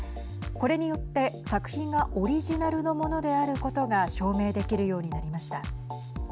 これによって作品がオリジナルのものであることが証明できるようになりました。